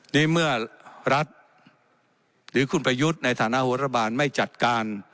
นี่เมื่อรัฐหรือคุณประยุทธ์ในฐานะหัวรัฐบาลไม่จัดการ